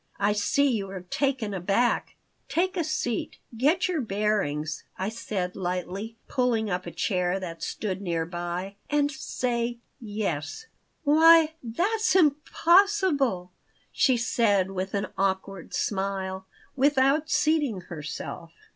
"I see you're taken aback. Take a seat; get your bearings," I said, lightly, pulling up a chair that stood near by, "and say, 'Yes.'" "Why, that's impossible!" she said, with an awkward smile, without seating herself.